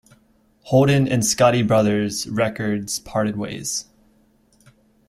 Holden and Scotti Brothers Records parted ways.